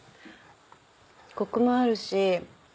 コクもあるし。